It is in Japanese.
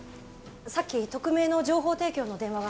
さっき匿名の情報提供の電話が。